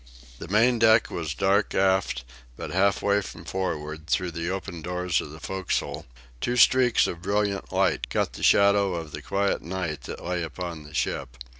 The main deck was dark aft, but halfway from forward, through the open doors of the forecastle, two streaks of brilliant light cut the shadow of the quiet night that lay upon the ship.